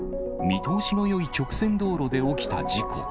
見通しのよい直線道路で起きた事故。